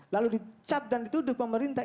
lalu dicap dan dituduh pemerintah